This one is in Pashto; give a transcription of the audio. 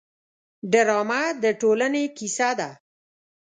ډرامه د ټولنې کیسه ده